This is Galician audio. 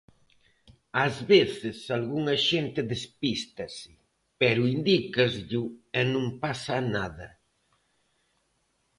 Ás veces algunha xente despístase, pero indícasllo e non pasa nada.